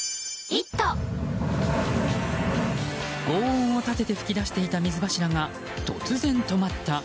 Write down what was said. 轟音を立てて噴き出していた水柱が突然止まった。